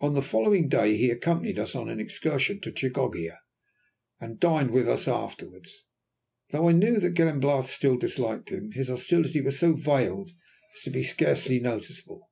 On the following day he accompanied us on an excursion to Chioggia, and dined with us afterwards. Though I knew that Glenbarth still disliked him, his hostility was so veiled as to be scarcely noticeable.